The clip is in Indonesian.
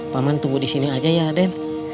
pak man tunggu disini aja ya raden